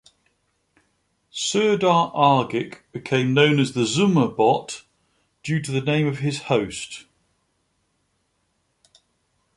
Serdar Argic became known as the Zumabot due to the name of his host.